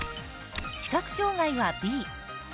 視覚障がいは、Ｂ。